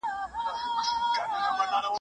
که علم عملي وښودل سي، زده کړه سطحي نه وي.